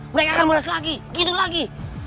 mereka akan mulas lagi hidup lagi